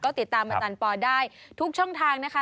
ก็ติดตามอาจารย์ปอได้ทุกช่องทางนะคะ